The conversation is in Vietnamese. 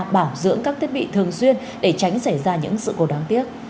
bảo dưỡng các thiết bị thường xuyên để tránh xảy ra những sự cố đáng tiếc